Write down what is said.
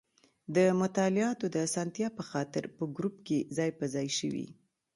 د مطالعاتو د اسانتیا په خاطر په ګروپ کې ځای په ځای شوي.